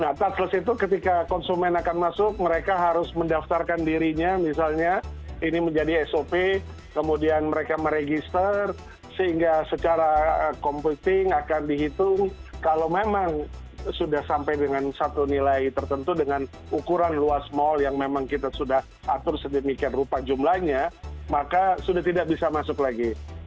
nah touchless itu ketika konsumen akan masuk mereka harus mendaftarkan dirinya misalnya ini menjadi sop kemudian mereka meregister sehingga secara computing akan dihitung kalau memang sudah sampai dengan satu nilai tertentu dengan ukuran luas mall yang memang kita sudah atur sedemikian rupa jumlahnya maka sudah tidak bisa masuk lagi